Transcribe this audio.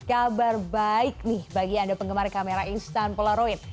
kabar baik nih bagi anda penggemar kamera instan polaroid